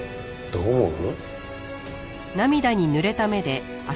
どう思う？